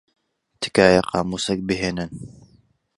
تکایە قامووسێک بھێنن.